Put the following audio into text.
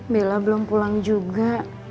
bella belum pulang juga